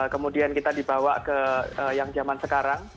kemudian kita dibawa ke yang zaman sekarang